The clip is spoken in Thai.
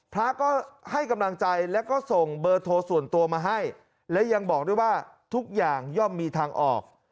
พระก็ให้กำลังใจแล้วก็ส่งเบอร์โทรส่วนตัวมาให้และยังบอกด้วยว่าทุกอย่างย่อมมีทางออก